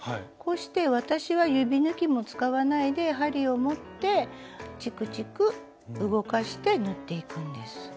こうして私は指ぬきも使わないで針を持ってちくちく動かして縫っていくんです。